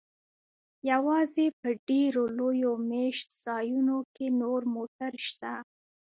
یوازې په ډیرو لویو میشت ځایونو کې نور موټر شته